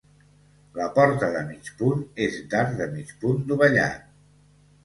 La porta de mig punt és d'arc de mig punt dovellat.